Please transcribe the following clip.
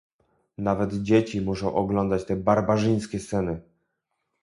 Nawet dzieci muszą oglądać te barbarzyńskie sceny